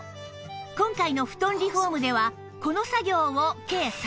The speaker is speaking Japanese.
今回の布団リフォームではこの作業を計３回行います